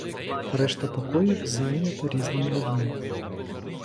А решта покоїв зайнята різними людьми.